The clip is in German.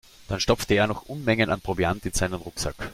Dann stopfte er noch Unmengen an Proviant in seinen Rucksack.